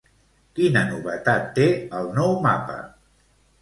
Quina novetat té el nou mapa?